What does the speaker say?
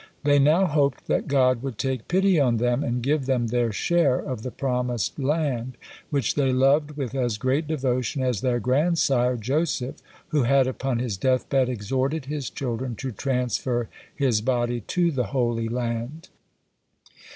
'" They now hoped that God would take pity on them and give them their share of the promised land, which they loved with as great devotion as their grandsire Joseph, who had upon his death bed exhorted his children to transfer his body to the Holy Land.